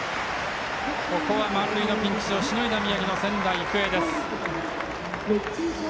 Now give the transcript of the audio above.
ここは満塁のピンチをしのいだ宮城、仙台育英。